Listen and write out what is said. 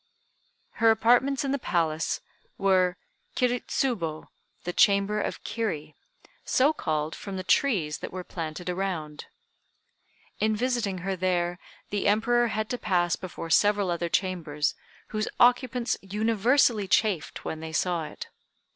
Her apartments in the palace were Kiri Tsubo (the chamber of Kiri); so called from the trees that were planted around. In visiting her there the Emperor had to pass before several other chambers, whose occupants universally chafed when they saw it.